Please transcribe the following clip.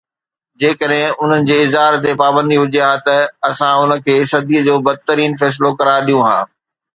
جيڪڏهن انهن جي اظهار تي پابندي هجي ها ته اسان ان کي صدي جو بدترين فيصلو قرار ڏيون ها